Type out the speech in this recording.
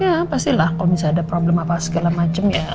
ya pastilah kalau misalnya ada problem apa segala macem ya